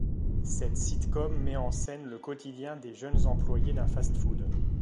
Cette sitcom met en scène le quotidien des jeunes employés d'un fast food.